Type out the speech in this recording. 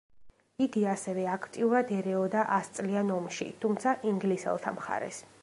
იგი ასევე აქტიურად ერეოდა ასწლიან ომში, თუმცა ინგლისელთა მხარეს.